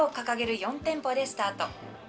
４店舗でスタート。